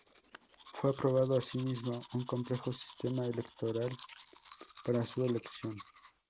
Fue aprobado así mismo un complejo sistema electoral para su elección.